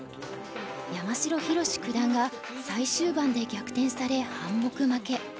山城宏九段が最終盤で逆転され半目負け。